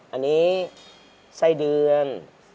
อันนี้ไส้เดือน